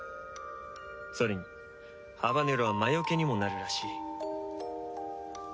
それにハバネロは魔除けにもなるらしい。